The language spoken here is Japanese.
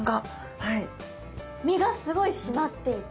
身がすごい締まっていて。